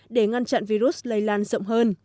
để ngăn chặn virus lây lan rộng hơn